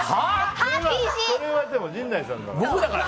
それは陣内さんだから。